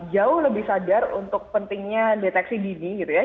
jauh lebih sadar untuk pentingnya deteksi dini gitu ya